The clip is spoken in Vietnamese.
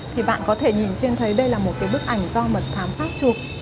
thì bạn có thể nhìn trên thấy đây là một cái bức ảnh do mật thám pháp chụp